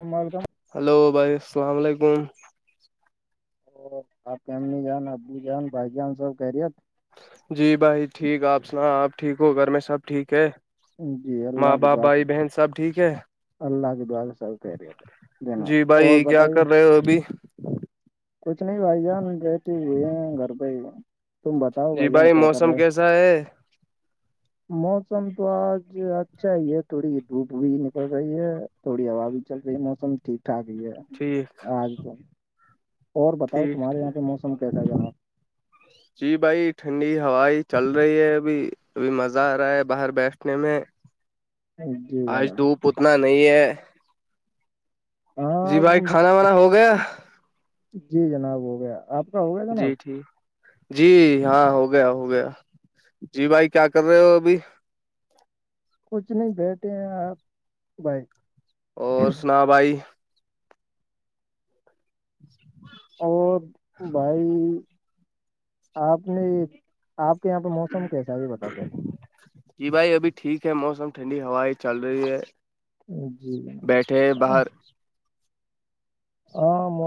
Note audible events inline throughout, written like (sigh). ہمل کا ہلو بھائی السلام علیکم تو آپ کےمنی جان ابو جان بھائی جان سب کہہ رہیت جی بھائی ٹھیک آپ سنا آپ ٹھیک ہو گھر میں سب ٹھیک ہے جی ماں اللہ کی باپ دعا سے بھائی بہن سب ٹھیک ہے اللہ کے دعار سب کہہریے تھے جناب جی اور بھائی ب کیا کر رہے ہو ابھی کچھ نہیں بھائی ان کہتی ہو گھر پہ ہی تم بتاؤ جی بھائی جان کیا کر موسم رہے کیسا ہے موسم تو آج اچھا ہی ہے تھوڑی دھوپ بھی نکل رہی ہے تھوڑی ہا بھی چل رہی ہے موسم ٹھیک اھ گ ہے ٹھیک آج اور بتاؤ ٹھیک تمہارے ٹھیک یہاں کے موسم کیسا ہے یہاں جی بھائی ٹھنڈی ہو چل رہی ہے ابھی ابھی مزہ آ رہا ہے باہر بیٹھنے میں جی آج جناب دھوپ پتنا نہیں ہے جی ہاں بھائی کھانا وانا ہو گیا جی جناب ہو گیا آپ کا ہو گیا جی جناب ٹھیک جی ہاں ہو گیا ہو گیا جی بھائی کیا کر رہے ہو ابھی کچھ نہیں بیٹھے ہیں آپ بھائی اور سنا بھائی (unintelligible) اور بھائی آپ نے آپ کے یہاں پہ موسم کیسا ہے یہ بتاؤ کہہ جی بھائی ابھی ٹھیک ہے موسم ٹھنڈی ہوائ چل رہی ہے جی بیٹھے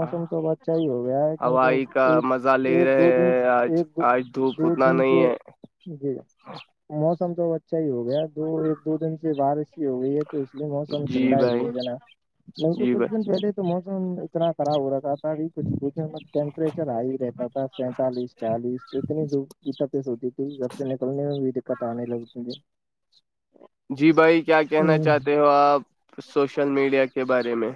ہاں تو اب اچھا ہی ہو گیا ہے کیونکہ ہوائی اب کا ایک مزہ لے ایک دو رہے دن آج ایک دو آج دھوپ دو اتنا دن نہیں سے ہے جی موسم تو اچھا ہی ہو گیا دو ایک دو دن سے بارش ہو گئی ہے تو اس لیے موسم جی ٹھنڈا ہی بھائی ہے ہے نا نہیں تو جی کچھ بھائی دن پہلے تو موسم اتنا خراب ہو رہا تھا بھی کچھ پچھ ٹیمپریچر ہائی رہتا تھا پینتالیس چالیس تو اتنی دو کی تپیس ہوتی تھی گھر سے نکلنے میں بھی کت آنے لگ تجھے جی بھائی کیا کہنا ہوں چاہتے ہو آپ سوشل میڈیا کے بارے میں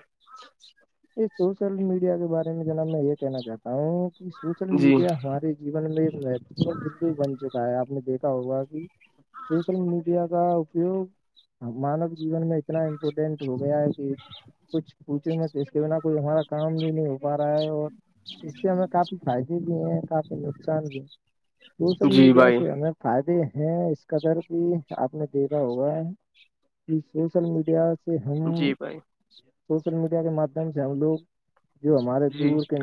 یہ سوشل میڈیا کے بارے میں جناب میں یہ کہنا چاہتا ہوں کہ سوشل جی میڈیا ہماری ج میں بن چکا ہے آپ نے دیکھا ہوگا کہ سوشل میڈیا کا اپیوگ مانو جیون میں اتنا امپورٹینٹ ہو گیا ہے کہ کچھ پوچھے میں تو اس کے بنا کوئی ہمارا کام بھی نہیں ہو پا رہا ہے اور اس سے ہمیں کافی فائدے بھی ہیں کافی نقصان بھی ہیں سوشل جی میڈیا بھائی سے ہمیں فائدے ہیں اس کا گھر بھی آپ نے دیکھا ہوگا ج سوشل میڈیا سے ہم جی بھائی سوشل میڈیا کے مادھیم سے ہم لوگ جو ہمارے جی دور کے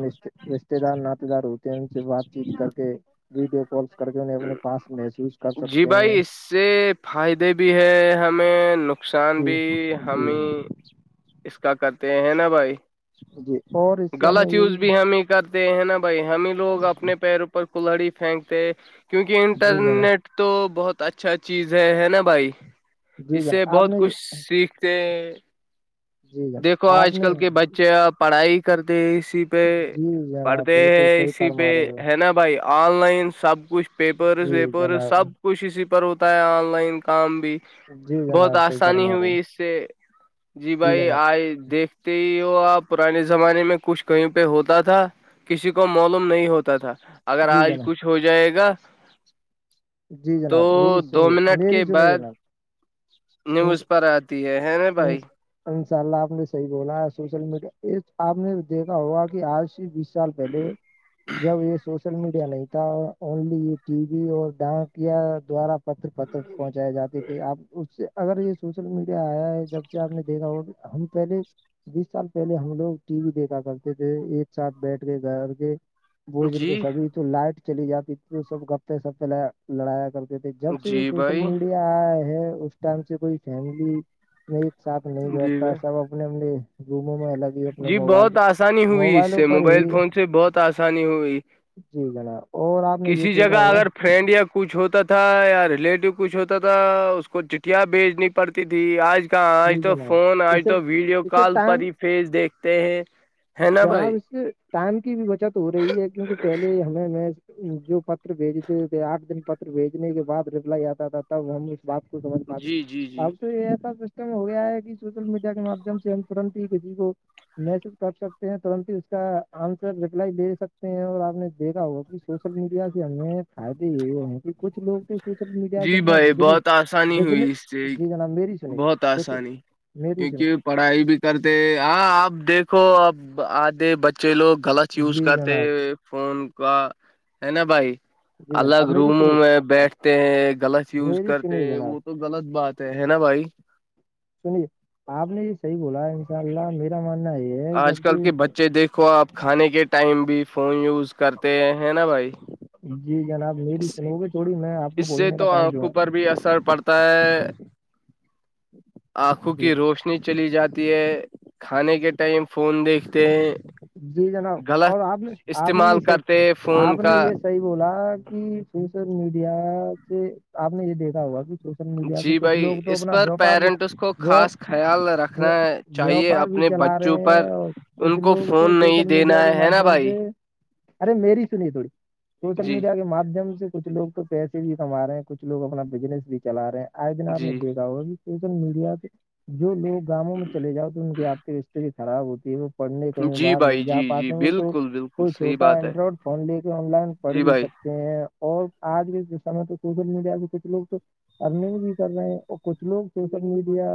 ر دار ناات دار ہوتے ہیں ان سے بات چیت کر کے ویڈیو توولسھڑ کے اپنے پاس محسوس کر جی سکتے ہیں بھائی اس سے فائدے بھی ہے ہمیں نقصان جی بھی جی ہمیں (unintelligible) اس کا کرتے ہیں نا بھائی جی اور اس سے ہمیں غلط یہ یوز بھی ہمیں کرتے ہیں نا بھائی ہمیں لوگ اپنے پیروںپر کللہڑی پھینکتے ہیں کیونکہ جی جناب انٹرنیٹ تو بہت اچھا چیز ہے ہے نا بھائی جی اس جناب سے آپ بہت نے کچھ سیکھ جی دیکھو جناب آپ آج نے کل کے بچے پڑھائی کرتے اسی پہ جی جناب پڑھتے بالکل ہیں صحیح اسی پہ فرما رہے ہو ہے نا بھائی آن لائن سب کچھ پیپرز جی ویپر جناب سب کچھ اسی پر ہوتا ہے آن لائن کام بھی جی بہت جناب صحیح آسانی فرما رہے ہیں ہوئی اس سے جی بھائی آئے دیکھتے ہی ہو آپ پرانے زمانے میں کچھ کہیں پہ ہوتا تھا کسی کو معلوم نہیں ہوتا تھا اگر جی آج جناب کچھ ہو جائے گا جی تو جناب میری دو سنیے منٹ میری کے سنیے بعد نیوز پر آتی ہے نا بھائی ان شاء اللہ آپ نے صحیح بولا ہے سوشل میڈیا آپ نے دیکھا ہوگا کہ آج سال پہلے جب یہ سوشل میڈیا نہیں تھا اونلی یہ ٹی وی اور ڈانکیا دوارا پتر پتر پہنچائے جاتے تے اپ اس سے اگر یہ سوشل میڈیا آیا ہے جب سے آپ نے دیکھا ہو ہم پہلے بیس سال پہلے ہم لوگ ٹی وی دیکھا کرتے تھے ایک ساتھ بیٹھ کے گھر کے بجرگ جی سبھی تو لائٹ چلی جات ا سب گپے سے لڑایا کر جب سے یہ جی سوشل بھائی میڈیا آیا ہے اس ٹائم سے کوئی فیملی میں ایک ساتھ نہیں جی بیٹھتا بھائی سب اپنے اپنے روموں میں الگ ہی اپنے جی موبائل بہت آسانی ہوئی اس موبائلوں سے پر ہی موبائل فون سے بہت آسانی ہوئی جی ہے نا اور آپ (unintelligible) کسی جگہ ہوگا اگر فرینڈ یا کچھ ہوتا تھا یا ریلیٹو کچھ ہوتا تھا اس کو چٹیاں بھیجنی پڑتی تھی آج کی کہ آج جی تو جناب فون آئے اسے تو ویڈیو اسے کال ٹائم پر ہی فیس دیکھتے ہیں ہے نا بھائی جناب اس سے ٹائم کی بھی بچت ہو رہی ہے کیونکہ پہلے ہمیں میں جو پت بھیجتے تھے آٹھ دن پت بھیجنے کے بعد ریپلائی آتا تھا تب ہم بات کو سمج پات جی جی جی آ تو یہ تھا م ہو گیا ہے کہ سوشل میڈیا کے مادھیم سے ان فر جی کو میسج کر سکتے ہیں ترنت ہی اس کا آنسر رپلائی دے سکتے ہیں اور آپ نے دیکھا ہوگا سوشل میڈیا سے ہمیں فائدے یہ ہیں کہ کچھ لوگ بھی سول میڈیا سے جی اپنا بھائی بہت ب آسانی ب جی جناب میری سنے ت آسانی کیونکہ پڑھائی بھی کرتے ہاں اپ دیکھو اب آتے بچ بچے لوگ غلط یوز جی کرتے جناب فون کا ہے نا بھائی جی جناب اب الگ میری روموں میں سنیے بیھ (unintelligible) غلط یوز میری کرتے سنیے جناب وہ تو غلط بات ہے ہے نا بھائی سنیے آپ نے یہ صحیح بولا ان شاء اللہ میرا ماننا یہ ہے آج جب کل سے کے بچے دیکھو آپ کھانے کے ٹائم بھی فون یوز کرتے ہیں نا بھائی جی جناب میری اس سنو گے تھوڑی میں آپ کو اس سے بولنے کا تو ٹائم جو آنکھوں ہے پر بھی اثر پڑتا ہے آنکھوں جی کی روشنی چلی جاتی ہے کھانے کے ٹائم فون دیکھتے ہیں جی جناب غلط اور آپ نے آپ نے یہ استعمال صحیح کرتے ہیں فون آپ کا نے یہ صحیح بولا کہ سوشل میڈیا سے آپ نے یہ دیکھا ہوگا کہ سوشل میڈیا سے جی کچھ بھائی لوگ تو اس اپنا پر ووپار بھی پیرنٹس کو جو خاص خیال رکھنا چاہیے ووپار بھی اپنے چلا بچوں رہے پر ہیں اور کچھ ان کو لوگ تو فون نہیں سوشل میڈیا دینا کے ہے ہے نا ماددھیم بھائی سے ارے میری سنی ہے تھوڑی سوشل جی میڈیا کے مادھیم سے کچھ لوگ تو پیسے بھی کما رہے ہیں کچھ لوگ اپنا بزنس بھی چلا رہے ہیں آئے دن آپ نے جی دیکا ہوا بھی میڈیا سے جو لوگ گاؤوں میں چلے جا تو ان کی آرتک است خراب ہوتی ہے وہ پڑھنے کہیں جی باہار نہیں بھائی جا جی جی پاتے ہو تو بالکل بالکل کوئی صحیح چھوٹا بات ہے اینڈرائڈ فون لے کے آن لائن پڑھ جی بھی بھائی سکتے اور آج کے سمے تو سوشل میڈیا پہ کچھ لوگ تو ارننگ بھی کر رہے ہیں اور کچھ لوگ سوشل میڈیا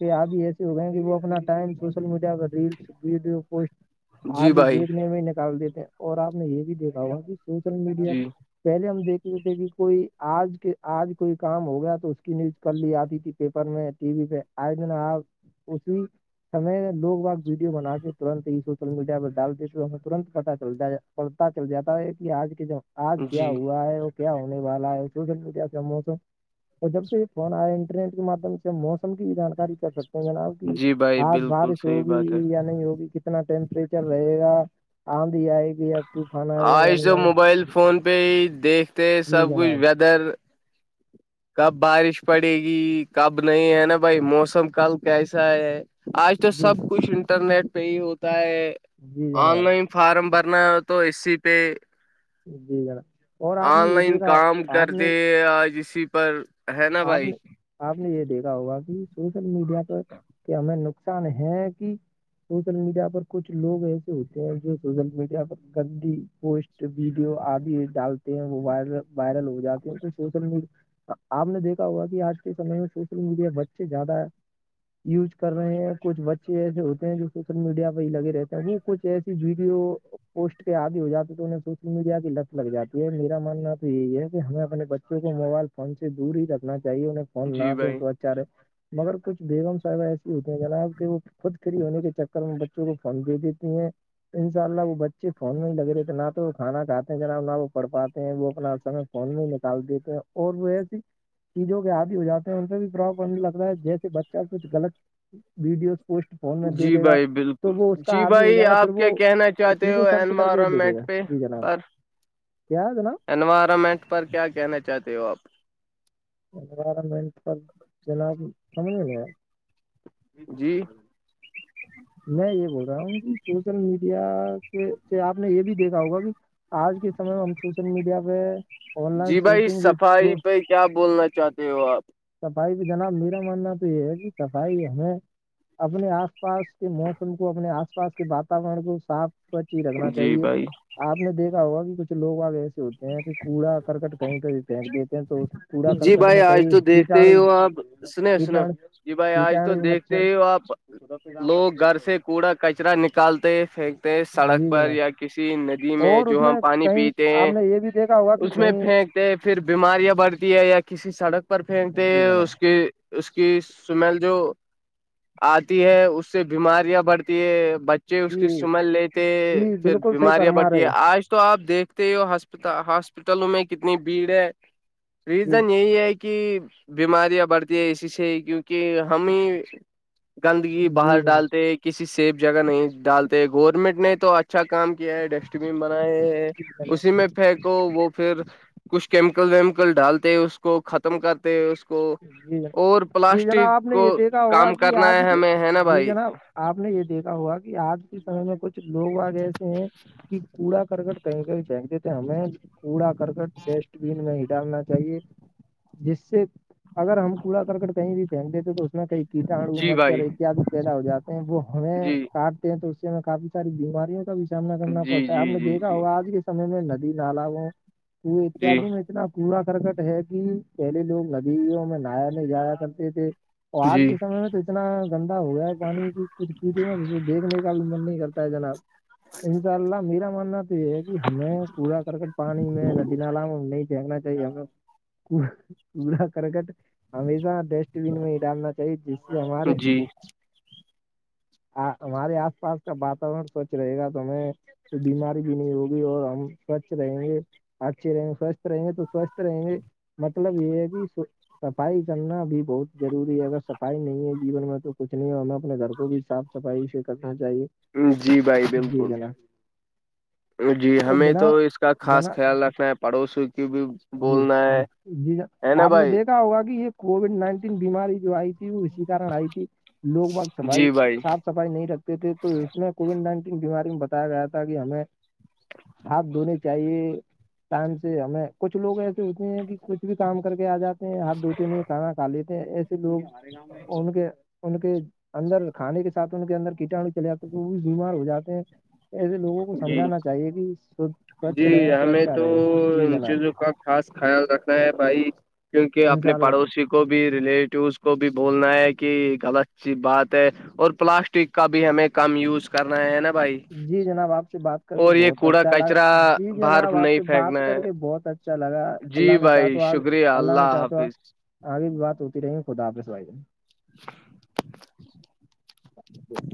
کہ آبھی ایسے ہو گئے کہ وہ اپنا ٹائم سوشل میڈیا پر ریلس ویڈیو آپ جی ہی بھائی دیکھنے میں نکال دیتے ہیں اور آپ نے یہ بھی دیکھا ہوا کہ سوشل میڈیا پہ جی (unintelligible) پہلے ہم دیکھ رہے تھے کہ کوئی آج کے آج کوئی کام ہو گیا تو اس کی نی کر لی آتی تھی پیپر میں ٹی وی پہ آئے نا آپ اسی سمے لوگ باگ ویڈیو بنا کے تنت ہی سوشل میڈیا پر ڈال دیش تنت پتا چل پتا چل جاتا ہے کہ آج کے جو آج کیا جی ہوا ہے اور کیا ہونے والا ہے کل کیا موسم اور جب سے یہ فون آئے انٹرنیٹ کے مادھیم سے موس کی جانکاری کیا سکتے جناب کہ جی بھائی آج بالکل بارش صحیح بات ہے ہوگی یا نہیں ہوگی کتنا ٹیمپریچر رہے گا آندھی آئے گی اب طوفان آئے گا یا آج نہیں تو آئے گا موبائل فون پہ ہی دیکھتے سب جی کچھ جناب ویدر کب بارش پڑے گی کب نہیں ہے نا بھائی موسم کل کیسا ہے آج تو جی سب کچھ انٹرنیٹ پہ ہی ہوتا ہے جی آن جناب لائن فارم بھرنا ہو تو اسی پہ جی جنا آن لائن کام کرتے آ اسی پر ہے نا آپ بھائی نے آپ نے یہ دیکھا ہوگا کہ سوشل میڈیا پر کہ ہمیں نقصان ہے کہ سوشل میڈیا پر کچھ لوگ ایسے ہوتے ہیں جو سوشل میڈیا پر گندی پوسٹ جو ویڈیو آدی ڈالتے ہیں وہ وائر وائرل ہو جاتے ہیں پھر سوشل می آپ نے دیکھا ہوگا کہ آج کے سمے میں سوشل میڈیا بچے زیادہ ہے یوز کر رہے ہیں کچھ بچے ایسے ہوتے ہیں جو سوشل میڈیا پہ ہی لگے رہتے ہیں وہ کچھ ایسی ویڈیو پوسٹ کے آگی ہو جاتے تو انہیں سوشل میڈیا کی لت لگ جی ہے میرا ماننا تو یہ ہے کہ ہمیں اپنے بچے بچوں کو موبائل فون سے دور ہی رکھنا چاہیے انہیں فون نہ جی دے بھائی تو اارے مگر کچھ بیگم صاحبیں ایسی ہوتی ہیں جناب کہ وہ خود کری ہونے کے چکر میں بچوں کو فون دے دیتی ہیں تو ان شاء اللہ وہ بچے فون میں ہی لگ رہے تھے نہ تو کھانا کھاتے ہیں جناب نہ وہ پڑھ پاتے ہیں وہ اپنا سے فون میں نکال دیتے ہیں اور وہ ایک چیزوں کے آادی ہو جاتے ہیں ان سے بھی فاپنے لگتا ہے جیسے بچہ کچھ غلط ویڈیوز پوسٹ فون میں جی دیکھے گا بھائی تو بالکل وہ اس کا جی عادی ہو بھائی جائے گا آپ پھر وہ کیا کہنا اسی چاہتے کو ہو سرچ کر کے انوائرمنٹ پہ اور یاد نا انوائرمنٹ پر کیا کہنا چاہتے ہو آپ انوائرمنٹ جناب سمجھ جی (inaudible) میں یہ بول رہا ہوں کہ سوشل میڈیا کے سے آپ نے یہ بھی دیکھا ہوگا کہ آج کے سمے میں ہم سوشل میڈیا پہ آن لائن شاپنگ بھی تو ائی کیا بولنا چاہتے ہو آپ صفائی بھی جناب میرا ماننا تو یہ ہے کہ صفائی ہمیں اپنے آس پاس کے موسم کو اپنے آس پاس کے واتورن کو صاف سوچ ہی رکھنا جی چاہیے بھائی آپ نے دیکھا ہوگا کہ کچھ لوگ آگئے ہوتے ہیں کہ کوڑا کرکٹ کہیں کیں پھینک دیتے ہیں تو کوڑا جی کرکٹ بھائی میں آج کئی تو دیکھتے ہی کیٹاڑو ہو آپ سنے سنا کیٹاڑ جی بھائی آج کیٹاڑ تو مچھر دیکھتے ہو ہو آپ لوگ گھر سے کوڑا کچرا نکالتے ہیں سڑک جی پر یا جناب کسی ندی میں اور اس جو ہم پانی کہیں پیتے آپ ہیں نے یہ بھی دیکھا ہوگا کہ اس میں وہیں پھینک پھر بیماریاں بڑھتی ہے یا کسی سڑک پر پھینکتے جی ہیں جناب اس کے اس کی سمیل جو آتی ہے اس سے بیماریاں بڑھتی ہے بچے اس کی جی سمل لیتے جی پھر بالکل صحیح بیماریاں فرما بڑتی رہے ہیں ہو آج تو آپ دیکھ ہاسپ ہاسپٹلوں میں کتنی بھیڑ ہے جی ریزن یہی ہے کہ بیماریاں بڑھتی ہے اسی سے کیونکہ ہمیں گندگی جی باہر جناب ڈالتے کسی سیف جگہ نہیں ڈالتے گورنمنٹ نے تو اچھا کام کیا ہے ڈسٹ بین بنائے ہیں جی جناب اسی میں پھینکو وہ پھر کچھ کیمیکل ویم ڈالتے اس کو ختم کرتے اس کو جی جناب کو اور جی جناب پلاسٹک آپ نے کو یہ دیکھا ہوگا کام کہ کرنا آج ہے ہمیں ہے نا جی بھائی جناب آپ نے یہ دیکھا ہوا کہ آج کے سمے میں کچھ لوگ آگ ایسے ہیں کہ کوڑا کرکٹ کہیں کہیں جھینکتے تھے ہمیں کوڑا کرک ڈسٹ بین میں ہی ڈالنا چاہیے جس سے اگر ہم کوڑا کرکٹ کہیں بھی پھینکتے تھے تو اس میں کئی کیٹاڑو جی مچھر بھائی اتیاد پیدا ہو جاتے ہیں وہ ہمیں جی کاٹ ہیں تو اس سے ہم کافی ساری بیماریوں کا بھی سامنا کرنا جی پڑتا ہے جی آپ نے جی دیکا جی ہوگا آج کے سمے میں ندی نالا ہو تو اتیاد میں اتنا پڑا کرکٹ ہے کہ پہلے لوگ ندیوں میں لایا نہیں جایا کرتے تھے وہ آج جی کی سے میں تو اتنا گندا ہوا ہے پانی کی کچھ پیٹے میں اسے دیکھنے کا بھی من نہیں کرتا ہے جناب انشاء اللہ میرا ماننا تو یہ ہے کہ ہمیں کوڑا کرکٹ پانی میں ندی نالا میں نہیں دیکنا چاہیے ہم کوڑا کوڑا کرکٹ ہمیشہ ڈسٹ بین میں ہی ڈالنا چاہیے جس سے ہمارے جی جی آ ہمارے آس پاس کا واتاورن سوچ رہے گا تویں تو بیماری بھی نہیں ہوگی اور ہم سوچھ رہیں گے اچھے رہیں گے فرسٹ رہیں گے تو فرسٹ رہیں گے مطلب یہ ہے کہ صفائی کرنا بھی بہت ضروری ہے اگر صفائی نہیں ہے جیون میں تو کچھ نہیں ہے ہمیں اپنے گھر کو بھی صاف صفائی سے کرنا چاہیے جی بھائی جی بالکل جناب جی وہ ہمیں بنا تو اس کا خاص جنا خیال رکھنا ہے پڑوسی کی بھی جی بولنا ہے جی جی ہے نا آپ نے بھائی دیکھا ہوگا کہ یہ کووڈ نائنٹین بیماری جو آئی تھی وہ اسی کارن آئی تھی لوگ باق سبھائی جی بھائی صاف صفائی نہیں رکھتے تھے تو اس میں کووڈ نائنٹین بیماری میں بتایا گیا تھا کہ ہمیں ہاتھ دھونے چاہیے ٹم سے ہمیں کچھ لوگ ایسے ہوتے ہیں کہ کچھ بھی کام کر کے آ جاتے ہیں ہات دتے نہیں کھانا کھا لیتے ہیں ایسے لوگ گں ان کے ان کے اندر کھانے کے ساتھ ان کے اندر کیٹاو چلے جاتے ہیں تو وہ بھی بیمار ہو جاتے ہیں ایسے لووں کو جی سمجھانا چاہیے کہ رہے جی ہمیں اچھا تو رہے جی جناب جو کا خاص خیال رکھنا ہے بھائی کیونک انشاء اپنے اللہ پڑوسی کو کو بھی ریلیٹوز کو بھی بولنا ہے کہ غلطی بات ہے اور پلاسٹک کا بھی ہمیں کم یوز کرنا ہے نا بھائی جی جناب آپ سے بات کر کے اور یہ بہت کوڑا اچھا لگا کچرا جی باہر جناب آپ نہیں سے بات پھینکنا کر ہے کے بہت اچھا لگا جی اللہ نے چاہ بھائی تو آ شکریہ اللہ نے چاہ تو حافظ آگ بھی بات ہوتی رہی خودا آپ س بائی (inaudible) جان۔